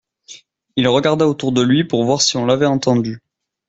Il regarda autour de lui pour voir si on l’avait entendu.